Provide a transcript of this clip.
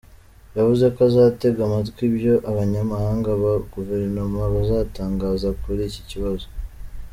Yavuze ko azatega amatwi ibyo abanyamabanga ba guverinoma bazatangaza kuri iki kibazo.